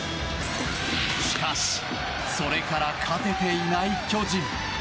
しかしそれから勝てていない巨人。